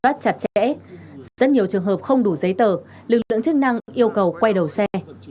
chốt kiểm soát chặt chẽ rất nhiều trường hợp không đủ giấy tờ lực lượng chức năng yêu cầu quay đầu xe